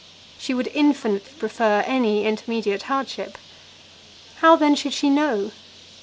She would infinitely prefer any intermediate hardship. How, then, should she know?